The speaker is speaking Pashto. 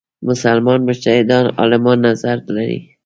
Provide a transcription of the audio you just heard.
مسلمان مجتهدان عالمان نظر لري.